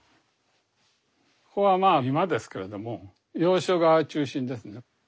ここは居間ですけれども洋書が中心ですね。